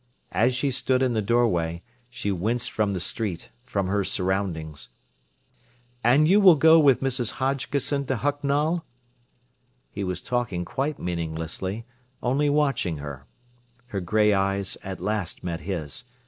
As she stood in the doorway, she winced from the street, from her surroundings. "And you will go with Mrs. Hodgkisson to Hucknall?" He was talking quite meaninglessly, only watching her. Her grey eyes at last met his.